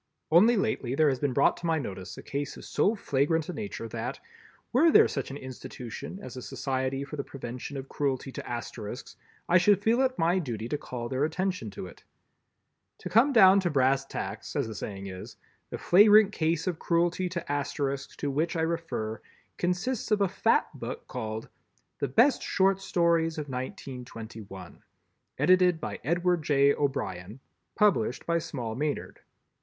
Only lately there has been brought to my notice a case of so flagrant a nature that, were there such an institution as a Society for the Prevention of Cruelty to Asterisks, I should feel it my duty to call their attention to it. To come down to brass tacks, as the saying is, the flagrant case of cruelty to Asterisks, to which I refer, consists of a fat book, called "The Best Short Stories of 1921." Edited by Edward J. O'Brien—Published by Small Maynard.